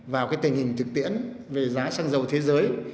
vào cái tình hình thực tiễn về giá xăng dầu thế giới